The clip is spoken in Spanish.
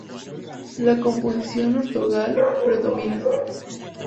La composición ortogonal predomina.